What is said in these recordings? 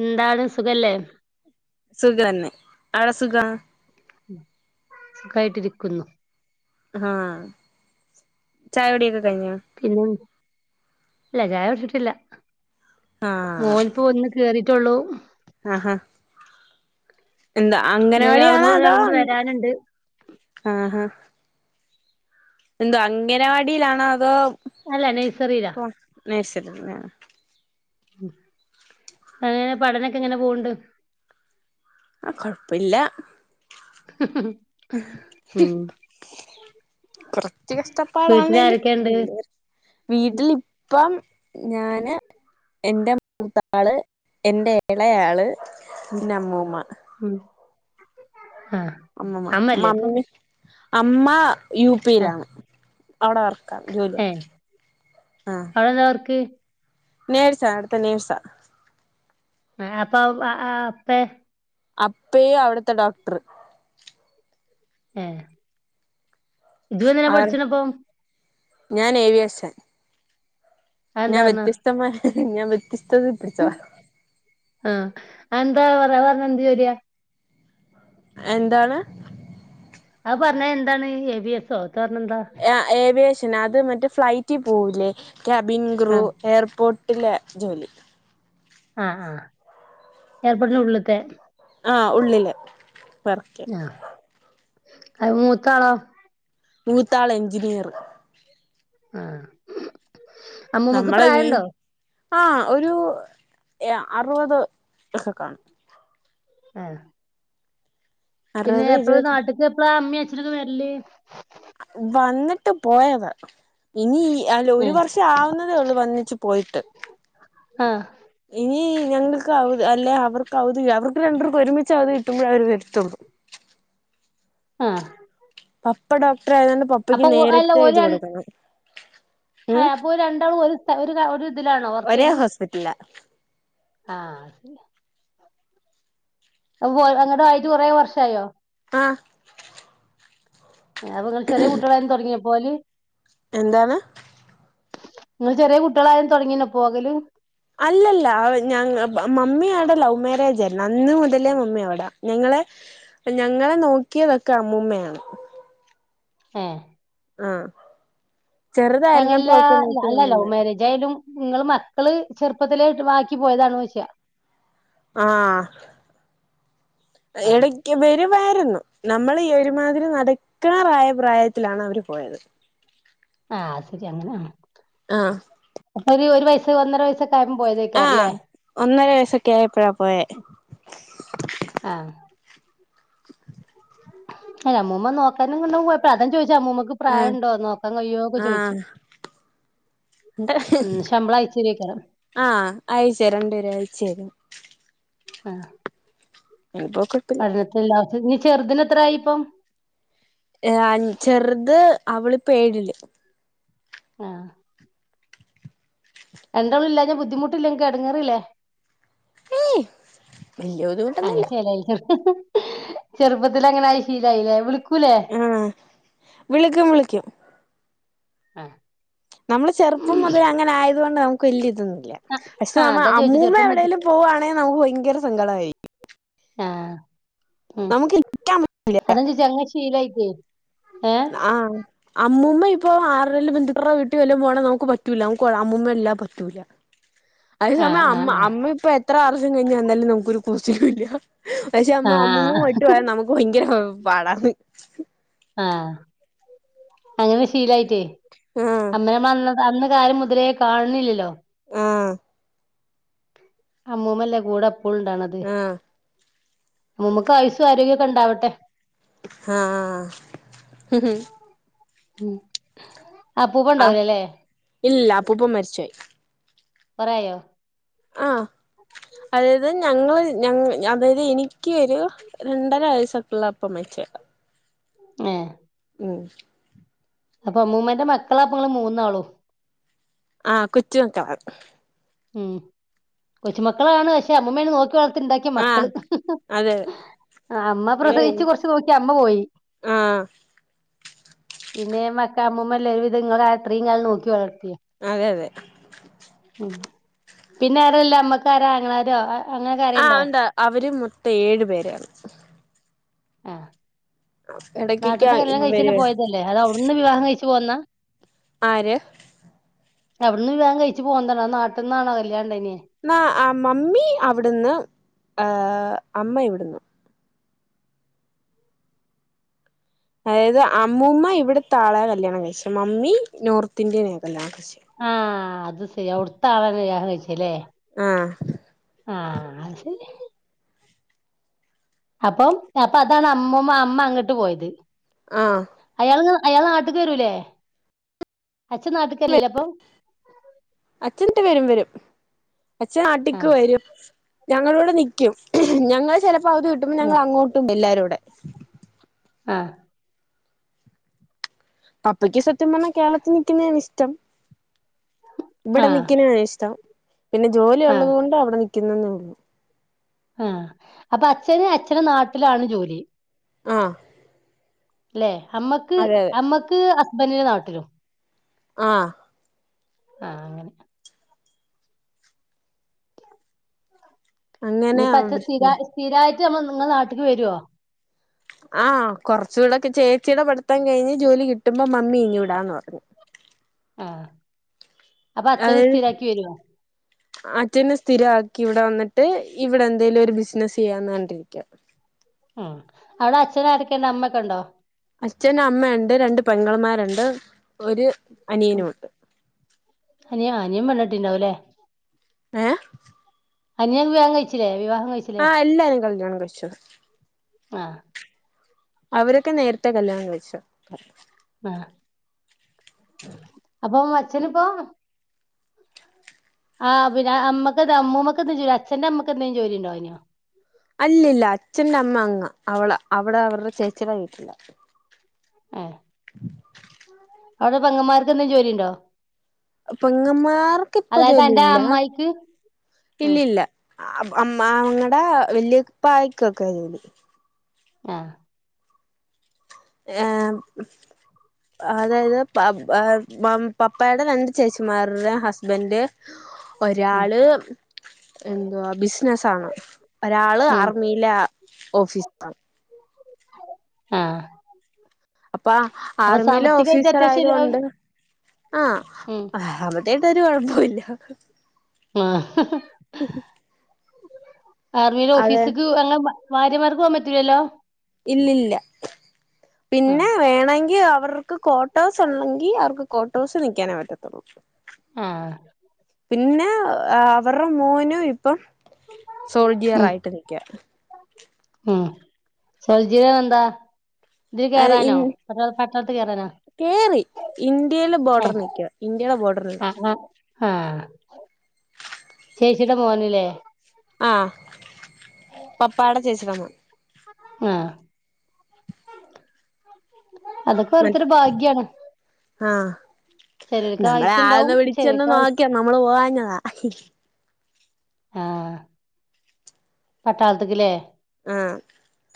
എന്താണ് സുഖല്ലേ? ആടെ സുഖാ? സുഖായിട്ടിരിക്കുന്നു. ആ ചായകുടിയൊക്കെ. കഴിഞ്ഞോ പിന്നെ? ഇല്ല, ചായ കുടിച്ചിട്ടില്ല. മോൻപ്പ വന്ന് കേറിട്ടേ ഒള്ളൂ. ആ ആ എന്താ ഇനി ഒരാളും അംഗനവാടിയാണോ കൂടെ അതോ? ഒരാളും കൂടെ വരാനുണ്ട്. ആ ആ എന്തോ അംഗനവാടിയിലാണോ അതോ? അല്ല നേഴ്സറീലാ. നഴ്സറീലാ? അങ്ങനെ പഠനൊക്കെ എങ്ങനെ പോവണ്ട്? ആ കുഴപ്പില്ല. ഉം കുറച്ച് വീട്ടില് കഷ്ടപ്പാടാണേലും, ആരൊക്കെണ്ട്? വീട്ടിലിപ്പം ഞാന് എന്റെ മൂത്താള് എന്റെ എളയാള് ഉം പിന്നമ്മൂമ്മ. ഉം ആഹ് അമ്മൂമ്മ, അമ്മല്ലേ ഇപ്പം? മമ്മി? അമ്മ യു ആഹ് പിയിലാണ് അവിടെ വർക്ക് ക്കവിടെ ജോലിയ? ഏഹ് ആ. അവടെന്താ വർക്ക്? നേഴ്‌സാ അവിടുത്തെ നേഴ്സാ. അ അപ്പൊ അ അ അപ്പേ? അപ്പയും അവിടുത്തെ ഡോക്ടറ്. ഏ ഇജ്ജു അതിനാ പഠിച്ചതപ്പൊ? ഞാനേവിയേഷൻ. ഞാൻ അതെന്താ പർഞ്ഞെ? വ്യത്യസ്തമായി, ഞാൻ വ്യത്യസ്തത പിടിച്ചതാ. എന്താ പറയാ, പറഞ്ഞ എന്ത് ജോല്യ? എന്താണ്? പറഞ്ഞ എന്താണ്, ഏവിയേസോ? ഏവിയേഷൻ, അത് മറ്റേ ഫ്ലൈറ്റിൽ പോവില്ലേ, ക്യാബിൻ ക്രൂ ആഹ് എയർപോർട്ട് ഇള്ള ജോലി. ആ ആ ഏർപോട്ടിനുള്ളിലത്തെ ആ ഉള്ളില് വെറക്ക. അ മൂത്താളോ? മൂത്താളെഞ്ചിനീയറ്. ആ അമ്മൂമ്മക്ക് പ്രായംണ്ടോ? ആ ഒരു അറുപത് ഒക്കെക്കാണും. ആ പിന്നെ അറുപത് എപ്പളാ ഇരുപത് നാട്ടക്ക് എപ്പളാ അമ്മീ അച്ഛനക്കും വരല്? വന്നിട്ട് പോയതാ, ഇനി അല്ല ഒരു ഏഹ് വർഷം ആവുന്നതേ ഒള്ളൂ വന്നെച്ചു പോയിട്ട്. ആഹ് ഇനി ഞങ്ങക്ക് അവര് അല്ലെ അവർ കൗതുക അവർക്ക് രണ്ടെർക്കു ഒരുമിച്ച് അവധി കിട്ടുമ്പഴേ അവര് വരുത്തുള്ളു ആഹ് പപ്പ ഡോക്ടർ ആയതുകൊണ്ട് പപ്പയ്ക്ക് അപ്പൊ നേരത്തെ ഇത് കൊടുക്കണം ഹേ ഉം അപ്പോര് രണ്ടാളു ഒരു സ്ഥ ഒര് ത ഒര് ഇതിലാണോ വർക്ക് ഒരേ ചെയ്ണ്? ഹോസ്പിറ്റലാ ആ [unintelligible] അപ്പ പോയ്‌ അങ്ങടായിറ്റ് കൊറേ വർഷായോ? ആ ഏ അപ്പങ്ങള് ചെറിയേ കുട്ട്യേളായെരം തൊടങ്ങിയോ പോഅല്? എന്താണ്? നിങ്ങള് ചെറിയേ കുട്ട്യേളായെരം തൊടങ്ങീനോ പോകല്? അല്ലല്ല ഞങ്ങ മ മമ്മി ആൾടെ ലൗ മാരേജാര്ന്ന് അന്ന് മുതലേ മമ്മി അവടാ ഞങ്ങൾ ളെ ഞങ്ങളെ നോക്കിയതൊക്കെ അമ്മൂമ്മയാണ് ആ ആ ഞങ്ങെല്ലാ അല്ല ലൗ മാരേജ് ആയാലും നിങ്ങള് മക്കള് ചെറുപ്പത്തിലേ ഇട്ട് ആക്കി പോയതാണോ ചോയ്ക്ക ആ.. ആ ആഹ് എടക്ക് വരും വാരുന്നു, നമ്മള് ഈ ഒരുമാതിരി നടക്കാറായ പ്രായത്തിലാണ് അവര് പോയത് ആ ശരി അങ്ങനെ ആണോ? ആഹ് അപ്പൊര് ഒരു വയസ്സ് ഒന്നര വയസ ആ ഒന്നര വയസ്സൊക്കെ ആയപ്പഴാ പോയെ ആഹ് ഏഹ് അമ്മൂമ്മ നോക്കാനും കൊണ്ടോവും പോയപ്പ അതും ചോയ് ച്ചെ അമ്മുമ്മക്ക് പ്രായ ആഹ് ഇണ്ടോ? നോക്കാൻ കയ്യോ ഒക്കെ ചോയ്ച്ച് ആഹ് ആഹ് അയ്ച്ചരണ്ട് [unintelligible] അയച്ചരും ആഹ് എനിപ്പോ കൊയ്പല്ല ഇന്നി ചെറ്തിനെത്രായി ഇപ്പം ഏഹ് ആൻ ചെറ്ത്, അവളിപ്പെ ഏഴില് ആഹ് രണ്ടാളു ഇല്ലാഞ്ഞ ബുദ്ധിമുട്ടില്ലേ ഇൻക് എട്ങ്ങേറില്ലേ? ഏയ് [inaudible] അങ്ങന ബുദ്ധിമുട്ടൊന്നുല്ല ചേലായി ചെറുപ്പത്തിലേ അങ്ങനായി ശീലായില്ലേ വിളിക്കൂ ആഹ് വിളിക്കും വിളിക്കും ആഹ് നമ്മള് ചെറുപ്പം മുതലെ അങ്ങനെ ആയത് കൊണ്ട് നമുക്ക് വെല്ല്യേ ഇതൊന്നു ഇല്ല പക്ഷേ ആഹ് നമ്മ അതാ ചോദിച്ചെ അമ്മൂമ്മ ചെറുപ്പം മുതൽ എവിടെലും പോകുവാണേ നമുക്ക് ഭയങ്കര സങ്കടായിരിക്കും ആ ഉം നിക്കാൻ അതാ ഞാഞ്ചോയ്ച്ചേ അങ്ങ് ശീലായിലേ ആഹ് അമ്മൂമ്മ ഇ ഇപ്പൊ ആറേലും ബന്തുക്കൾട വീട്ടി വല്ലോം പോണെ നമുക്ക് പറ്റൂല്ല നമുക്കു അമ്മൂമ്മ ഇല്ലാ പറ്റൂല്ല ആഹ് അതേസമയം ആഹ് അമ്മ അമ്മ ഇപ്പൊ എത്ര വർഷം കഴിഞ്ഞു എന്നാലും നമുക്കൊരു കൂസലും ഇല്ലാ പക്ഷെ അന്നാ ആഹ് അമ്മൂമ്മ ആഹ് വിട്ട് പോയാ നമുക്ക് ഭയങ്കര പാടാന്ന് ആഹ് അങ്ങനെ ശീലായിറ്റേ ആഹ് അമ്മനെ അന്ന് കാലം മുതലേ കാണണില്ലല്ലോ ആഹ് അമ്മൂമ്മല്ലേ കൂടെപ്പളുണ്ടാക്ണത് ആഹ് അമ്മൂമ്മക്ക് ആയുസും ആരോഗ്യൊക്കെ ണ്ടാവട്ടെ ആഹ് ഉം അപ്പൂപ്പ ഉണ്ടാവൂലല്ലേ ആഹ്ംഇല്ല അപ്പൂപ്പൻ മരിച്ച് പൊയി കൊറായോ ആഹ് അതായത് ഞങ്ങള് ഞങ്ങ അതായത് എനിക്ക് ഒരു രണ്ടര വയസ്സൊക്കെ ഉള്ളപ്പ മ ച്ചോയതാ ഏഹ് ഉം അപ്പൊ അമ്മൂമ്മന്റെ മക്കളാപ്പ ഇങ്ങള് മൂന്നാളും ആഹ് കൊച്ചു മക്കളാ ഉം കൊച്ചുമക്കളാണ് പക്ഷെ അമ്മൂമ്മെനേ നോക്കി വ ത്ത്ണ്ടാക്കിയ, മക്കള്, ആഹ് അതെ അമ്മ പ്രസവിച്ചു, കൊറച്ച് നോക്കി, അമ്മ പോയി. ആഹ് - പിന്നെ, മക്ക, അമ്മുമമ്മല്ലവിധ, ങ്ങളാത്രേം, കാലം, നോക്കി വള അതെ, അതെ ഉം പിന്നെ, ആറെല്ല, അമ്മക്കാരാ, അങ്ങാരോ ആഹ്, ഉണ്ട്, അവര് മൊത്തം, ഏഴു പേരാണ്. ആഹ്. ഇടക്കൊക്കെ നാട്ടന്ന് കല്യാണം ഇവര് കഴിച്ച്ന്നെ പോയതല്ലേ, അതോ, അവ്ടെന്ന് വിവാഹം കഴിച്ച്പോന്നതാ ആര്. അവിടുന്ന് വിവാഹം കഴിച്ചു പോന്നതാ അതൊ, നാട്ട്ന്നാണോ, കല്യാണംകഴിഞ്ഞേ? ന്നാ മമ്മി അവിടുന്ന്, ആഹ് അമ്മ ഇവിടുന്നു. അതായത് അമ്മൂമ്മ ഇവിടെത്താളെ കല്യാണം കഴിച്ച, മമ്മി നോർത്ത് ഇന്ത്യേന കല്യാണം - ആഹ, അത് ശരി, അവിടുത്തെളെണ്, വിവാഹം, കയ്ച്ചേലേ ആഹ. ആഹ, അത്, ശരി അപ്പം, അപ്പൊഅതാണ്, അമ്മ, അമ്മ അങ്ങോട്ട് പോയത് ആഹ. അയാള് അയാള്, നാട്ട്ക്ക്‌, വരൂല്ലേ അച്ഛൻ, നാട്ടക്കരലില്ലെ, അപ്പൊ അച്ഛ, നാട്ടക്ക് വരും, ഞങ്ങള ഇടെ, നിക്കും, ഞങ്ങൾ, ചിലപ്പോ പൗതി, കിട്ടുമ്പോ, ഞങ്ങൾ, അങ്ങോട്ടും, ണ്ട് എല്ലാരും കൂടെ ആഹ. പപ്പക്ക്, സത്യം പറഞ്ഞാൽ, കേരളത്തിൽ നിൽക്കുന്നാണ്, ഇഷ്ടം ഇവിടെ, ആഹ് നിക്കുന്നാണ്, ഇഷ്ടം, പിന്നെ ജോലി ആഹ് ഉള്ളത് കൊണ്ട്, അവിടെ നിക്ക ക്ക്‌നെന്നെഒള്ളു. ആഹ, അപ്പൊ, അച്ഛന്, അച്ഛനും നാട്ടിലാണ് ജോലി. ആഹ. ല്ലെ, അമ്മക്ക്, അമ്മക്ക്, ഹസ്ബന്റിന്റെ, നാട്ടിലും. ആഹ. ആഹ, അങ്ങനെ അങ്ങനെ ഇനിപ്പച്ച, അവര് സ്ഥിര, സ്ഥിരയിട്ട്, നമ്മ, നിങ്ങളെ, നാട്ടക്ക്, വരു ആഹ്, കൊറച്ചുകൂടെൊക്കെ, ചേച്ചീടെ, പടുത്താൻ കഴിഞ്ഞ്, ജോലി കിട്ടുമ്പോ, മമ്മി ഇങ്, വിടാന്ന് പറഞ്ഞു [inaudible] ആഹ. അത്, അച്ഛെന്, സ്ഥിര ക്കിവിടെ, വന്നിട്ട്, ഇവിടെ എന്തേലും, ഒരു, ബിസിനസ്സ് ചെയ്യാന്ന്, കണ്ടിരിക്ക ഉം, അവിടെ, അച്ഛനആരൊക്കെയണ്ട്, അമ്മൊക്കെ ഉണ്ടോ അച്ഛൻ, അമ്മുണ്ട്, രണ്ട് പെങ്ങൾമാരുണ്ട്, ഒരു ഉം, അനിയനുമുണ്ട് അനിയ, അനിയം വെണിട്ടിണ്ടാവല്ലേ ഏ. അനിയൻ വിവാഹം കഴിച്ചില്ലേ വിവാഹം കഴിച്ചില്ലേ ആഹ എല്ലാരും കല്യാണം കഴിച്ചത് ആഹ അവരൊക്കെ നേരത്തെ കല്ല്യാണം കഴിച്ചോ ആ അപ്പൊ അച്ഛനിപ്പോ ആ പിന്നെ മ്മക്ക് അമ്മുമ്മക്ക എന്ത അച്ഛന്റെമ്മക്ക് എന്തേ ജോലി ഉണ്ടാർന്നോ? അല്ലില്ല അച്ഛന്റെ അമ്മ അങ്ങ അവള അവിടെ അവരുടെ ചേച്ചിയുടെട്ടില ഏഹ് അവിടെ പെങ്ങന്മാർക്കന്തേം ജോലിണ്ടോ? പെങ്ങമാർക്ക് ഇപ്പ അതായത് ജോലി അന്റെ ഇല്ല അമ്മായിക്ക് ഉം ഇല്ലില്ല അ ആം അങ്ങടെ വല്യപ്പായിക്കൊക്കെ ജോലി ആഹ ഏ അതായത് പ പ പപ്പേടെ രണ്ട് ചേച്ചിമാരുടെ ഹസ്ബൻഡ് ഉം ഒരാള് എന്തുവാ ബിസിനസാണ് ഒരാള് ഉം ആർമിയിലെ ഓഫീസറാണ് ആഹ് അപ്പം അപ്പൊ ആർമിയിലെ സാമ്പത്തികായിട്ട് ഓഫീസർ അത്യാവശ്യം ഒരു ആയത്കൊണ്ട് ആഹ് ഉം [unintelligible] എന്തൊരു കൊഴപ്പുല്ല ആഹ് ആർമിയുടെ അതെ ഓഫീസിക്ക് അങ്ങെ ഭാര്യമാർക്ക് പോകാൻ പറ്റില്ലല്ലോ ഇല്ലില്ല പിന്നെ ആഹ് വേണെങ്കിൽ അവർ ക്ക് കോട്ടോസ് ഉണ്ടെങ്കിൽ അവർക്ക് കോട്ടോസ് നിൽക്കാനേ പറ്റത്തുള്ളു ഉം പിന്നെ അവരുടെ മോനും ഇപ്പം സോൾജിയറായിട്ട് നിൽക്കുവ സോൾജൃ എന്താ ഇതിൽ കേറാനോ അത് അതോ പട്ടാളത്തിൽകേറാനോ കേറി ഇന്ത്യയിലെ ബോർഡർ നിൽക്കുവ ഇന്ത്യയുടെ ബോർഡറി ആഹ് നിൽക്കുവാ ആഹ് ചേച്ചിടെ മോനില്ലേ ആഹ് പപ്പാടെ ചേച്ചിടെ മോൻ ആഹ അതൊക്കെ മ ഒരൊത്തൊരു ഭാഗ്യാണ് ആഹ് ചിലർക്ക് നമ്മളെ ആയുസ് ഉണ്ടാവും ആന്ന പിടിച്ച തന്നെ ചിലർക്ക് ആയുസ് നോക്കിയ നമ്മള് പോവാഞ്ഞതാ ആഹ പട്ടാളത്തിക്കില്ലേ ആഹ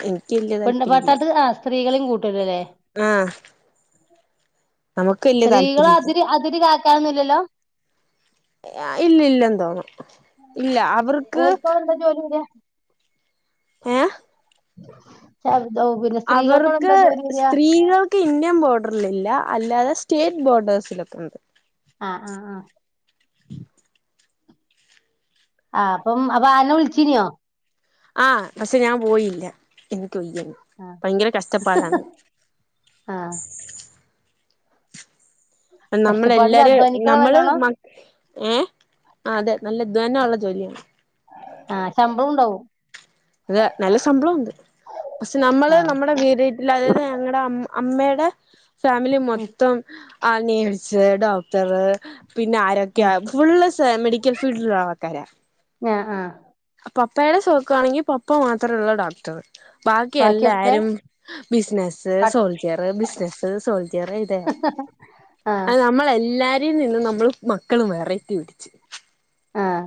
എനിക്ക് വല്യ താല്പര്യം ഇല്ല പട്ടാളത്ത് ആ സ്ത്രീകളെയും കൂട്ടൂലല്ലേ നമുക്ക് വല്യ സ്ത്രീകളും താല്പര്യല്ല അതിരി അതിരി കാക്കനൊന്നില്ലല്ലോ ഇല്ല ഇല്ല തോന്നും ഇല്ല അവർക്ക് ഓർക്കവിടെ എന്താ ജോലി വരിക ഏ [unintelligible] അവർ അവർക്ക് സ്ത്രീകൾക്ക് ഇന്ത്യൻ ബോർഡറലില്ല അല്ലാതെ സ്റ്റേറ്റ് ബോർഡേഴ്സിലൊക്കൊണ്ട് ആ ആഹ ആഹ ആ അപ്പം അവ ആന വിളിച്ചീനിയോ ആഹ പക്ഷെ ഞാൻ പോയില്ല ടുയിന് ആ ഭയങ്കര കഷ്ടപ്പാടാണ് ആ നമ്മള കഷ്ടപ്പാടിൽ എല്ലാരും അധ്വാനിക്കണം നമ്മള് നല്ലോണം മ ഏഹ അതെ നല്ല ഇധ്വാന ഉള്ളത് ജോലിയാണ് ആഹ ശമ്പളം ഉണ്ടാവും അത നല്ല സംബളണ്ട് പക്ഷെ നമ്മള് ആ നമ്മുടെ [unintelligible] അതായത് ഞങ്ങടെ അമ്മ അമ്മേടെ ഫാമിലി ഉം, മൊത്തം ആ നേഴ്സ് ഡോക്ടർ പിന്നെ ഉം. ആരോക്കെയാ ഫുള്ള് മെഡിക്കൽ ഫീൽഡിലുള്ള ആൾക്കാര ആഹ ആഹ പപ്പയുടെ സുഖക്കാണെങ്കിൽ പപ്പ മാത്രമള്ള ഡോക്ടർ ബാക്കി ബാക്കിയൊക്കെ എല്ലാരും ബിസിനസ്സ് പ- സോൾജ്യർ ബിസിനസ് സോൾജ്യർ ഇതന്നെ ഹ ഹാ അ നമ്മൾ എല്ലാരേും നിന്നും നമ്മൾ മക്കള് വെറൈറ്റി പിടിച്ച് ആഹ്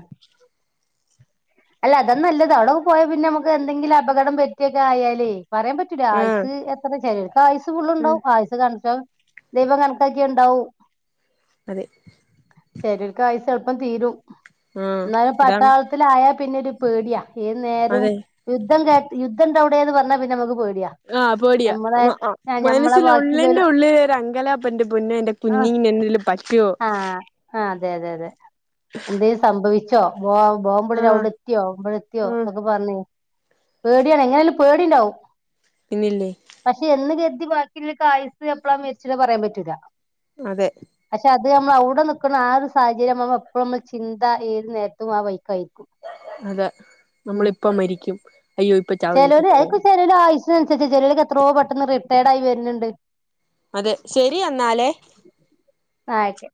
അല്ല അതും നല്ലതാ അവിടെ പോയ പിന്നെ നമുക്ക് എന്തെങ്കിലും അപകടം പറ്റിയൊക്കെ ആയാലേ പറയാൻ പറ്റൂല്ല ആഹ് ആയുസ് എത്ര ചെലോൽക്ക് ആയുസ് ഉം ഫുള്ണ്ടാവും ആയുസ് കണ്ച്ചോ ദൈവം കണക്കാക്കിയേണ്ടാവൂ അതെ ചെലോർക്ക് ആയുസ് എളുപ്പം തീരും ആഹ് എന്നാലും അതാണ് പട്ടാളത്തിലായ പിന്നെ ഒരു പേടിയാ ഏത് നേരും അതെ യുദ്ധം കേ- യുദ്ധണ്ട് അവിടേന്ന് പറഞ്ഞാൽ പിന്നെ നമുക്ക് പേടി ആ പേടിയാ ഞമ്മളെ മനസ്സിൽ ഉള്ളിൻറെ ബാക്കില്ലോല് ഉള്ള ലൊരു അങ്കലാപ്പ. എന്റെ പൊന്നേ എന്റെ കുഞ്ഞിന് എന്തോലും പറ്റോ ആഹ ആ അതെ അതെ അതെ എന്തേലും സംഭവിച്ചോ? ബോ ആഹ് ബോംമ്പടലവിടെ എത്തിയോ ആഹ് മ്പഴത്തിയോക്കെ പറഞ്ഞേ പേടിയാണ് എങ്ങനായ്ലും പേടിണ്ടാവും പിന്നില്ലേ പക്ഷെ എന്ന് കർതി ബാക്കിള്ള ആയ്സ് എപ്പ്ഴാ മരിച്ചിണത് പറയാൻ പറ്റൂില്ല അതെ പക്ഷെ അത് നമ്മള് അവിടെ നിൽക്കണ ആ ഒരു സാഹചര്യം എപ്പോളും നമ്മള് ചിന്ത ഏത് നേരത്തും ആ വൈക്കായിരിക്കും അതെ ഉം നമ്മളിപ്പ മരിക്കും അയ്യോ ഇപ്പ ചാവേ ഇപ്പ ചാവേ അതിനനുസരിച്ച് ചെലോർ എത്രോ പെട്ടെന്ന് റിട്ടയേർഡായി വരുന്ന്ണ്ട് അതെ ശരി എന്നാലേ ആക്കെ